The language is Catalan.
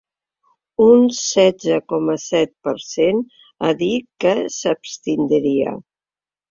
Un setze coma set per cent ha dit que s’abstindria.